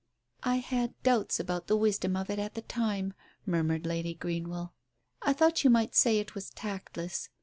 "I had doubts about the wisdom of it at the time," murmured Lady Greenwell. "I thought you might say it was tactless.